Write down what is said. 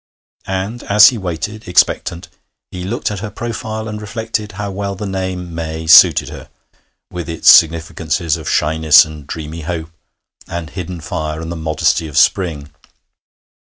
And as he waited, expectant, he looked at her profile and reflected how well the name May suited her, with its significances of shyness and dreamy hope, and hidden fire and the modesty of spring.